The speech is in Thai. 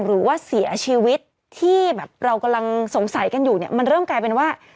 หรือว่าเสียชีวิตที่แบบเรากำลังสงสัยกันอยู่เนี่ยมันเริ่มกลายเป็นว่า